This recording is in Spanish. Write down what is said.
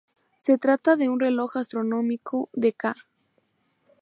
Se trata de un reloj astronómico de ca.